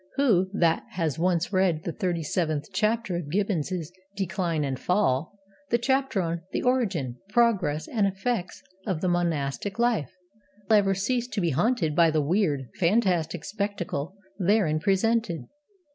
Who that has once read the thirty seventh chapter of Gibbon's Decline and Fall the chapter on 'The Origin, Progress, and Effects of the Monastic Life' will ever cease to be haunted by the weird, fantastic spectacle therein presented?